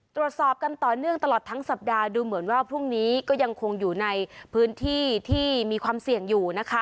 ตรวจสอบกันต่อเนื่องตลอดทั้งสัปดาห์ดูเหมือนว่าพรุ่งนี้ก็ยังคงอยู่ในพื้นที่ที่มีความเสี่ยงอยู่นะคะ